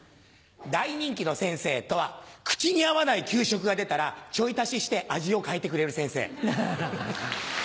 大人気の先生とは口に合わない給食が出たらちょい足しして味を変えてくれる先生。